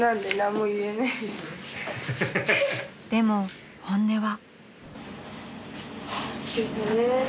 でも本音は］